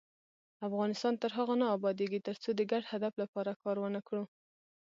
افغانستان تر هغو نه ابادیږي، ترڅو د ګډ هدف لپاره کار ونکړو.